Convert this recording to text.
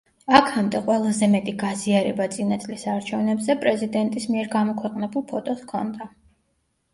აქამდე ყველაზე მეტი გაზიარება წინა წლის არჩევნებზე პრეზიდენტის მიერ გამოქვეყნებულ ფოტოს ჰქონდა.